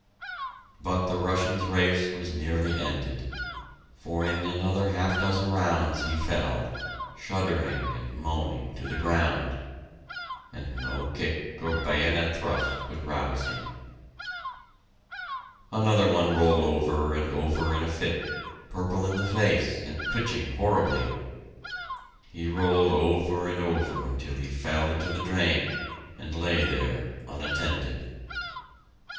But the Russian's race was nearly ended, for in another half dozen rounds he fell, shuddering and moaning, to the ground and no kick or bayonet thrust could rouse him... Another one rolled over and over in a fit, purple in the face, and twitching horribly. He rolled over and over until he fell into the drain, and lay there, unattended.